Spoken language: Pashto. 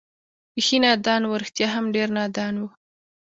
بېخي نادان و، رښتیا هم ډېر نادان و.